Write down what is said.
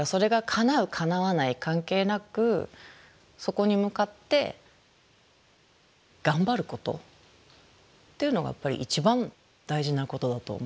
叶わない関係なくそこに向かって頑張ることっていうのがやっぱり一番大事なことだと思います。